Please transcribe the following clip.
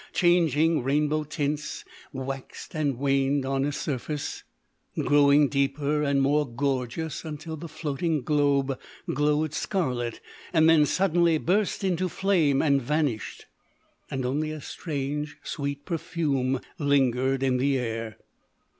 Changing rainbow tints waxed and waned on the surface, growing deeper and more gorgeous until the floating globe glowed scarlet, then suddenly burst into flame and vanished. And only a strange, sweet perfume lingered in the air.